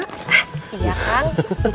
hah iya kang